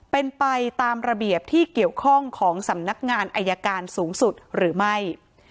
เป็นไปตามระเบียบที่เกี่ยวข้องของสำนักงานอายการสูงสุดหรือไม่